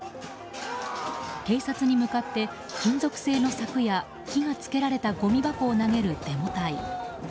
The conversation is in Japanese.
警察に向かって金属製の柵や火が付けられたごみ箱を投げるデモ隊。